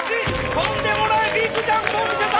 とんでもないビッグジャンプを見せた！